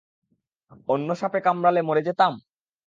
অন্য সাপে কামড়ালে মরে যেতাম?